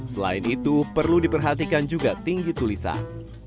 selain itu perlu diperhatikan juga tinggi tulisan